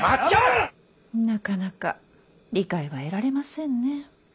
なかなか理解は得られませんね。